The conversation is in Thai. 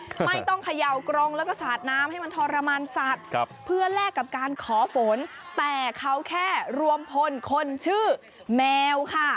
ไม่ต้องเขย่ากรงแล้วก็สาดน้ำให้มันทรมานสัตว์ครับเพื่อแลกกับการขอฝนแต่เขาแค่รวมพลคนชื่อแมวค่ะ